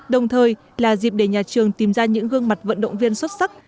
đồng thời là dịp để nhà trường tìm ra những gương mặt vận động viên xuất sắc